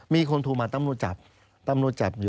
มีคนทูมาตำรวจจับ